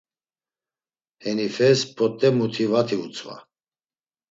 Henifes p̌ot̆e muti vati utzva.